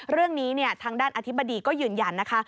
เรื่องนี้ทางด้านอธิบดีก็ยืนยันนะคะ